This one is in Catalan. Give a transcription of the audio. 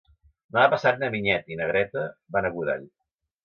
Demà passat na Vinyet i na Greta van a Godall.